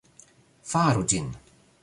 Faru ĝin.